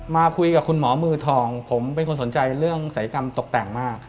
มาคุยกับคุณหมอมือทองผมเป็นคนสนใจเรื่องศัยกรรมตกแต่งมาก